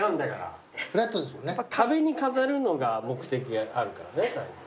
壁に飾るのが目的あるからね最後。